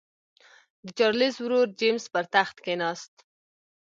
د چارلېز ورور جېمز پر تخت کېناست.